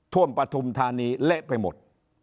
ท่วมปธุมธานีเละไปหมด